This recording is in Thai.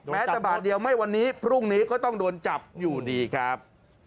แม้แต่บาทเดียวไม่วันนี้พรุ่งนี้ก็ต้องโดนจับอยู่ดีครับ